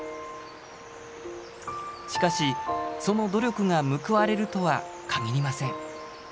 しかしその努力が報われるとは限りません。